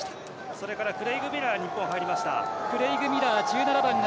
それからクレイグ・ミラーが入ってきました。